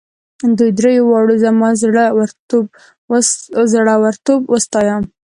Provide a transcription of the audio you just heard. دوی دریو واړو زما زړه ورتوب وستایه.